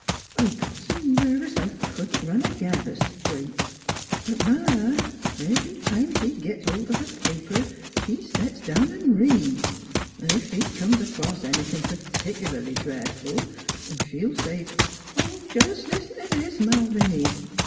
I got s' nervous I couldn't run a gether straight. But Ma, ev'ry time she gits a holt of a paper, she sets down an' reads, 'n' ef she comes acrost anythin' p'ticerlarly dret ful she'll say: ' Jes' listen t' this, Malviny.'